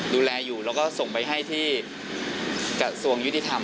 ดูแลอยู่แล้วก็ส่งไปให้ที่กระทรวงยุติธรรม